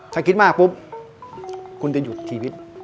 ถ้าคิดมากปุ๊บคุณจะหยุดชีวิต